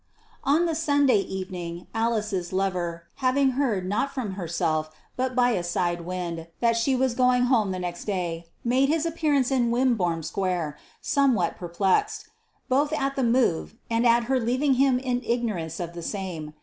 On the Sunday evening, Alice's lover, having heard, not from herself, but by a side wind, that she was going home the next day, made his appearance in Wimborne Square, somewhat perplexed both at the move, and at her leaving him in ignorance of the same.